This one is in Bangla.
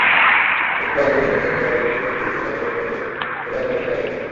একটু আগেই জেনেছেন, এবারের টি-টোয়েন্টি বিশ্বকাপের মেয়েদের সেরা একাদশে জায়গা পেয়েছেন।